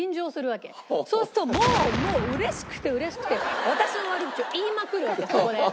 そうするともう嬉しくて嬉しくて私の悪口を言いまくるわけそこで。